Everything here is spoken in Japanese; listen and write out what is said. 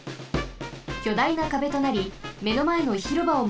きょだいなかべとなりめのまえのひろばをまもります。